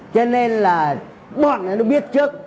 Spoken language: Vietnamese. cho nên là bọn này nó biết trước